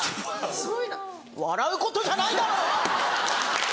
笑うことじゃないだろう！